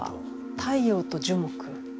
太陽と樹木。